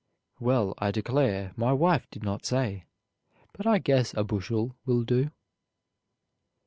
"Well, I declare, my wife did not say, but I guess a bushel will do."